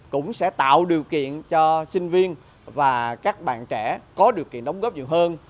cũng sẽ tạo điều kiện cho sinh viên và các bạn trẻ có điều kiện đóng góp nhiều hơn